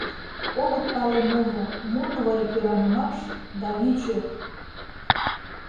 Огыт пале нуно, Мо тугай кӧранымаш Да ӱчӧ!